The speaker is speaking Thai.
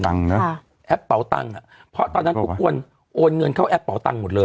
ตังค์นะแอปเป่าตังค์อ่ะเพราะตอนนั้นทุกคนโอนเงินเข้าแอปเป่าตังค์หมดเลย